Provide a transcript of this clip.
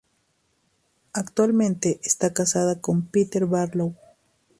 Actualmente está casada con Peter Barlow.